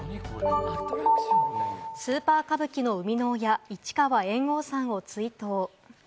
『スーパー歌舞伎』の生みの親、市川猿翁さんを追悼。